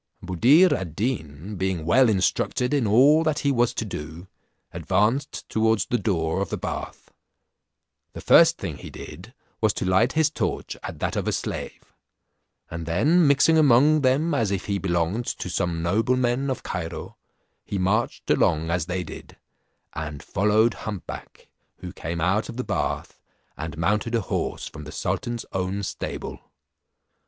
Buddir ad Deen, being well instructed in all that he was to do, advanced towards the door of the bath. The first thing he did was to light his torch at that of a slave; and then mixing among them as if he belonged to some noblemen of Cairo, he marched along as they did, and followed humpback, who came out of the bath, and mounted a horse from the sultan's own stable.